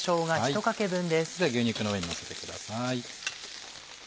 牛肉の上にのせてください。